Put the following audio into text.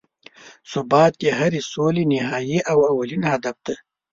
ثبات د هرې سولې نهایي او اولین هدف دی.